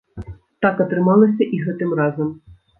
Так атрымалася і гэтым разам.